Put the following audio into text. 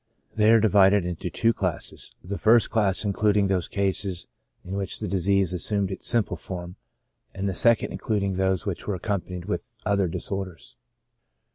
They are divided into two classes, the first class including those cases in which the disease assumed its simple form, and the second including those which were accompanied with other disorders.